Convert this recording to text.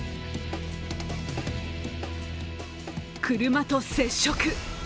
車と接触。